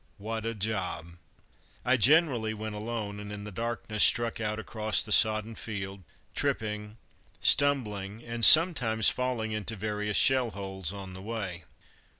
What a job! I generally went alone, and in the darkness struck out across the sodden field, tripping, stumbling, and sometimes falling into various shell holes on the way.